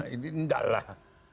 ini nggak lah